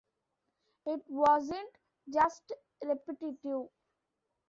It wasn't just repetitive.